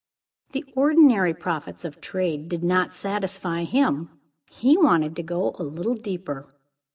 The ordinary profits of trade did not satisfy him; he wanted to go a little deeper.